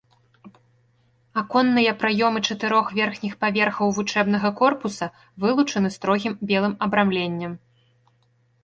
Аконныя праёмы чатырох верхніх паверхаў вучэбнага корпуса вылучаны строгім белым абрамленнем.